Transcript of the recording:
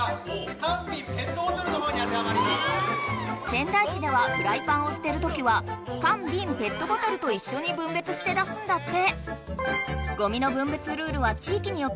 仙台市ではフライパンをすてるときは缶・びん・ペットボトルといっしょに分別して出すんだって！